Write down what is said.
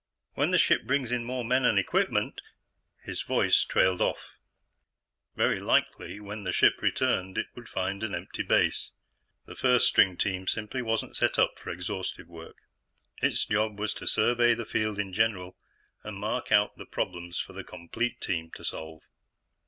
When the ship brings in more men and equipment " His voice trailed off. Very likely, when the ship returned, it would find an empty base. The first string team simply wasn't set up for exhaustive work; its job was to survey the field in general and mark out the problems for the complete team to solve.